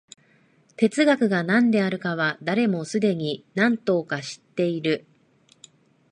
哲学が何であるかは、誰もすでに何等か知っている。